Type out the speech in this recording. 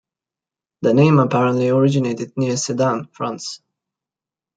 The name apparently originated near Sedan, France.